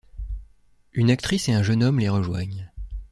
Une actrice et un jeune homme les rejoignent.